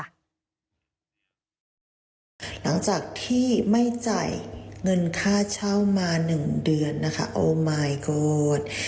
หลังจากที่ไม่จ่ายเงินค่าเช่ามา๑เดือนนะคะโอมายโกรธ